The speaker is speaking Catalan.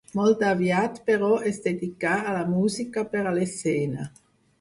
Molt aviat, però, es dedicà a la música per a l'escena.